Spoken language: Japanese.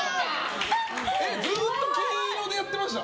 ずっと金色でやってました？